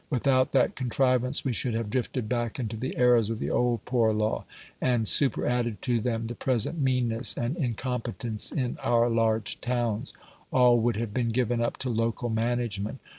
Without that contrivance we should have drifted back into the errors of the old Poor Law, and superadded to them the present meanness and incompetence in our large towns. All would have been given up to local management.